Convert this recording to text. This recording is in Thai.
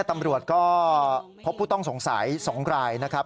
ตำรวจก็พบผู้ต้องสงสัย๒รายนะครับ